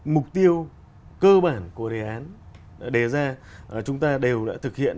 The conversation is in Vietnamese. mục tiêu cơ bản của đề án đề ra chúng ta đều đã thực hiện